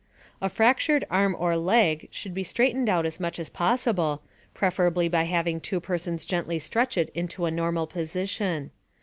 A FRACTURED ARM OR LEG should be straightened out as much as possible, preferably by having 2 persons gently stretch it into a normal position.